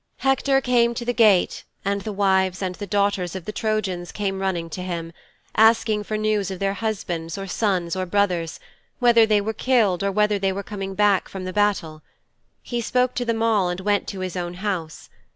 'Hector came to the gate and the wives and daughters of the Trojans came running to him, asking for news of their husbands or sons or brothers, whether they were killed or whether they were coming back from the battle. He spoke to them all and went to his own house.